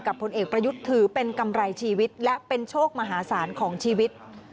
ผลเอกประยุทธ์ถือเป็นกำไรชีวิตและเป็นโชคมหาศาลของชีวิต